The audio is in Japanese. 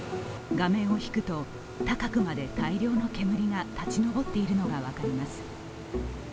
画面を引くと、高くまで大量の煙が立ち上っているのが分かります。